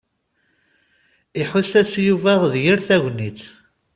Iḥuss-as Yuba d yir tagnit.